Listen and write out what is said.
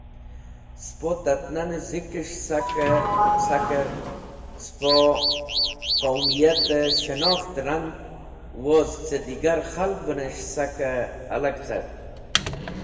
Spo tat-nane Zikes̃h saker spo qaumiyate shanokht rand woz ce digar khalvẽnes̃h sake halag cart.